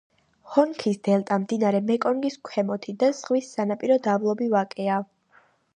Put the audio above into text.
ჰონგჰის დელტა, მდინარე მეკონგის ქვემოთი და ზღვის სანაპირო დაბლობი ვაკეა.